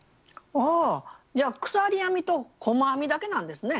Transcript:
ああ鎖編みと細編みだけなんですね。